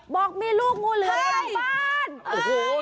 บอกมีลูกงูเหลืออยู่ในบ้าน